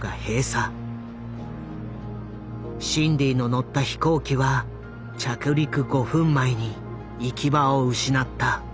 シンディの乗った飛行機は着陸５分前に行き場を失った。